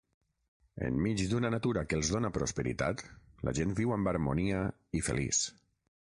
Enmig d'una natura que els dóna prosperitat, la gent viu amb harmonia i feliç.